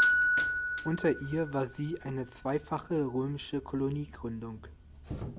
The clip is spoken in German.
Unter ihr war sie eine zweifache römische Koloniegründung.